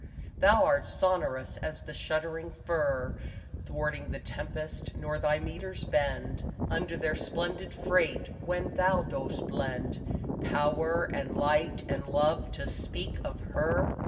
Thou art sonorous as the shuddering fir Thwarting the tempest, nor thy metres bend Under their splendid freight, when thou dost blend Power and light and love to speak of Her.